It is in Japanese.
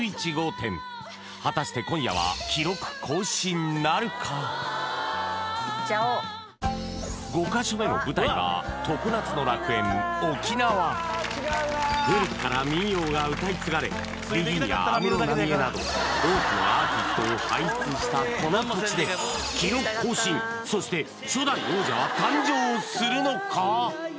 点果たして５カ所目の舞台は常夏の楽園沖縄古くから民謡が歌い継がれＢＥＧＩＮや安室奈美恵など多くのアーティストを輩出したこの土地で記録更新そして初代王者は誕生するのか？